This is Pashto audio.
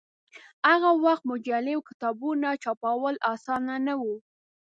هغه وخت مجلې او کتابونه چاپول اسان نه و.